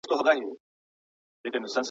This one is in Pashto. د انسان شخصيت په ټولنه کي جوړيږي.